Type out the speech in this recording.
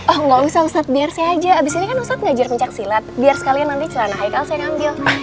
oh nggak usah ustadz biar saya aja abis ini kan ustadz ngajar pencaksilat biar sekalian nanti celana haikal saya ngambil